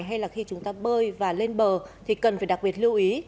hay là khi chúng ta bơi và lên bờ thì cần phải đặc biệt lưu ý